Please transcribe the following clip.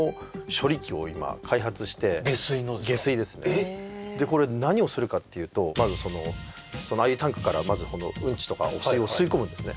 彼らがこれ何をするかっていうとまずああいうタンクからうんちとか汚水を吸い込むんですね